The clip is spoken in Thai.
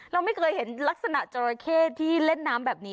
เราไม่เคยเห็นลักษณะจราเข้ที่เล่นน้ำแบบนี้